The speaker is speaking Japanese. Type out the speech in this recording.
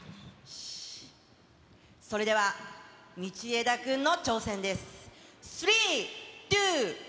それでは、道枝君の挑戦です。